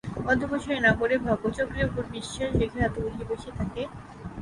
অধ্যবসায় না করে ভাগ্যচক্রের উপর বিশ্বাস রেখে হাত গুটিয়ে বসে থাকে।